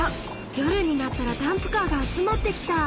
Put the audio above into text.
夜になったらダンプカーが集まってきた！